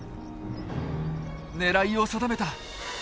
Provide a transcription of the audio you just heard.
狙いを定めた！